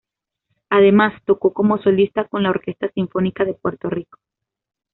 Además, tocó como solista con la Orquesta Sinfónica de Puerto Rico.